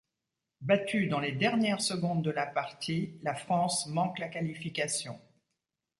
Battue dans les dernières secondes de la partie, la France manque la qualification.